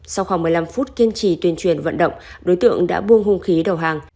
sau khoảng một mươi năm phút kiên trì tuyên truyền vận động đối tượng đã buông hung khí đầu hàng